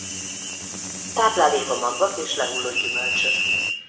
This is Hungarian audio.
Tápláléka magvak és lehullott gyümölcsök.